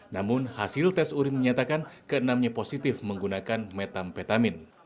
namun hasil tes urin menyatakan keenamnya positif menggunakan metamfetamin